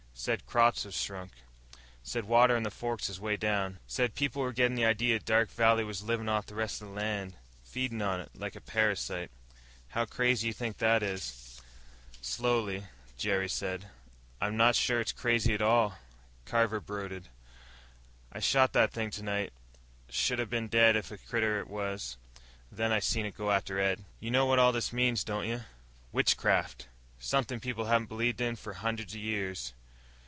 Said crops has shrunk. Said water in the forks is way down." "He's right." "Said people were gettin' the idea Dark Valley was livin' off the rest of the land. Feedin' on it, like a parasite. How crazy you think that is?" Slowly, Jerry said, "I'm not sure it's crazy at all." Carver brooded. "I shot that thing tonight. Should 'a been dead if a critter ever was. Then I seen it go after Ed." "You know what all this means, don't you? Witchcraft. Something people haven't believed in for hundreds of years."